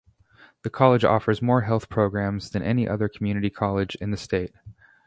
The college offers more Health programs than any other community college in the state.